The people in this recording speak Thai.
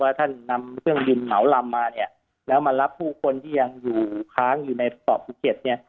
ท่านนำเครื่องบินเหมาลำมาเนี่ยแล้วมารับผู้คนที่ยังอยู่ค้างอยู่ในเกาะภูเก็ตเนี่ย